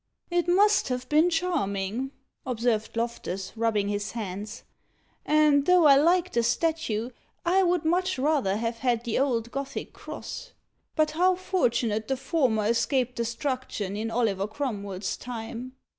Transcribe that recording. "It must have been charming," observed Loftus, rubbing his hands; "and, though I like the statue, I would much rather have had the old Gothic cross. But how fortunate the former escaped destruction in Oliver Cromwell's time!"